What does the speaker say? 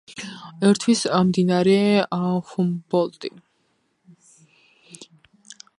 ერთვის მდინარე ჰუმბოლდტი.